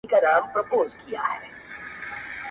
o زما مڼه په کار ده، که څه له ولي څخه وي٫